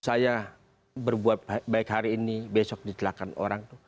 saya berbuat baik hari ini besok ditelahkan orang itu